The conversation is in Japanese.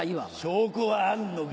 証拠はあんのか？